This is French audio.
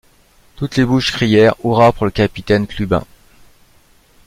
Toutes les bouches crièrent: Hurrah pour le capitaine Clubin!